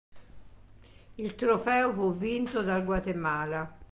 Il trofeo fu vinto dal Guatemala.